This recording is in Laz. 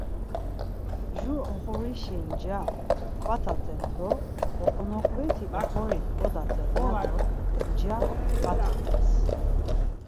Jur oxorişi nca p̌ǩvataten do oǩonoǩveti oxori p̌ǩodaten ya do nca ǩvatumt̆es.